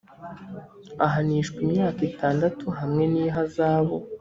Ahanishwa imyaka itandatu hamwe nihazabu